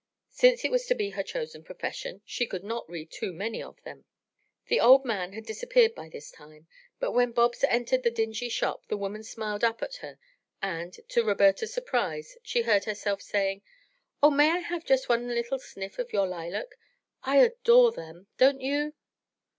Since it was to be her chosen profession, she could not read too many of them. The old man had disappeared by this time, but when Bobs entered the dingy shop the woman smiled up at her, and, to Roberta's surprise, she heard herself saying, "Oh, may I have just one little sniff of your lilac? I adore them, don't you?"